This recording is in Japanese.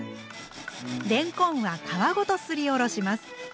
れんこんは皮ごとすりおろします。